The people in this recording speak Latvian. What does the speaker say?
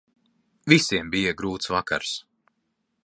Visiem bija grūts vakars.